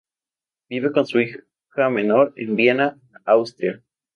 Vive con su hija menor en Viena, Austria.